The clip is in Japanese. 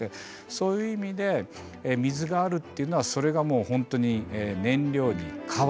そういう意味で水があるっていうのはそれがもう本当に燃料に変わると。